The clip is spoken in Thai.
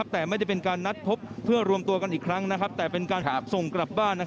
แต่ไม่ได้เป็นการนัดพบเพื่อรวมตัวกันอีกครั้งแต่เป็นการส่งกลับบ้าน